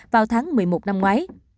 sau tháng một mươi một năm ngoái